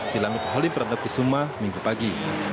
di lanut halim perdana kusuma minggu pagi